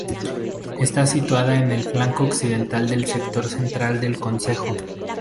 Está situada en el flanco occidental del sector central del concejo.